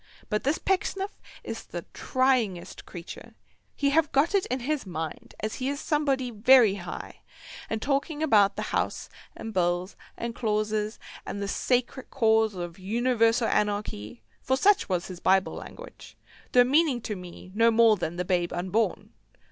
But this Pecksniff is the tryingest creature; he having got it in his mind as he is Somebody very high, and talking about the House, and Bills, and clauses, and the "sacred cause of Universal Anarchy," for such was his Bible language, though meaning to me no more than the babe unborn.